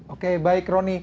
oke baik roni